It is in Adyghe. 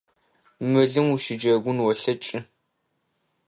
Мылым ущыджэгун олъэкӏы.